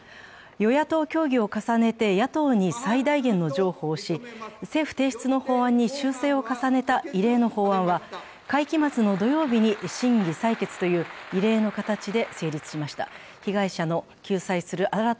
与野党協議を重ねて野党に最大限の譲歩をし、政府提出の法案に修正を重ねた異例の法案は、会期末の土曜日に審議・採決という異例の形で成立しました。